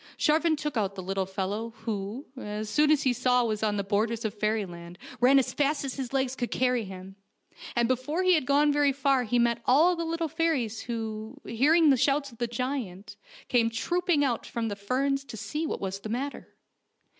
Sharvan took out the little fellow, who, as soon as he saw he was on the borders of fairyland ran as fast as his legs could carry him, and before he had gone very far he met all the little fairies who, hearing the shouts of the giant, came trooping out from the ferns to see what was the matter.